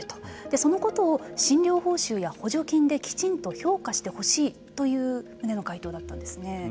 そのことを診療報酬や補助金できちんと評価してほしいという旨の回答だったんですね。